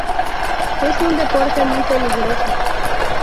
Es un deporte muy peligroso.